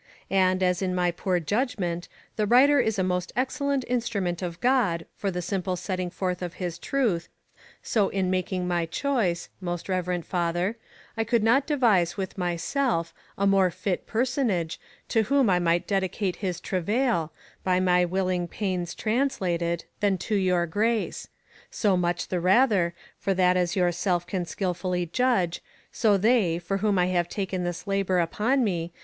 A nd, as in my poore iudgment, the writer is a most excellent instrument of God, for the simple setting foorth of his trueth, so in making my choyse (most reuerend Father) I could not deuise with my selfe, a more fyt personage, to whom I might dedicate his trauayle, by my willing paynes translated, than to your Grace: So much the rather, for that as your selfe can skil fully iudge, so they, for whom I haue taken this labour vppon me.